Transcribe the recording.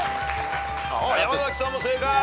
山崎さんも正解。